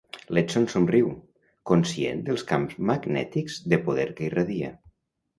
L'Edson somriu, conscient dels camps magnètics de poder que irradia.